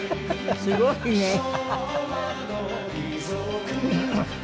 すごいね。